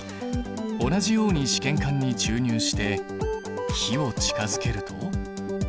同じように試験管に注入して火を近づけると。